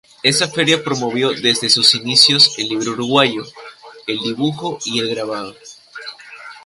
Esa feria promovió desde sus inicios el libro uruguayo, el dibujo y el grabado.